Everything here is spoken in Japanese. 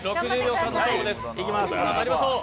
まいりましょう。